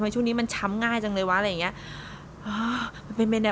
ช่วงนี้มันช้ำง่ายจังเลยวะอะไรอย่างนี้